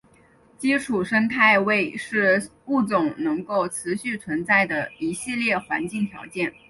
基础生态位是物种能够持续存在的一系列环境条件。